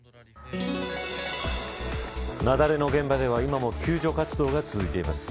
雪崩の現場では今も救助活動が続いています。